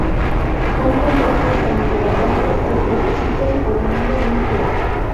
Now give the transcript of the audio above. Son compuestos tan hidratados que existen formando un gel.